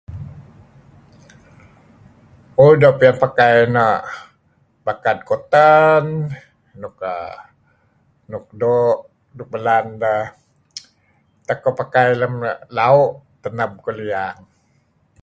Mo' doo' pian pakai na' bakad puteng... nuk err... nuk doo...nuk belaan deh, tak koo pakai lem lau' teneb ko liang iih.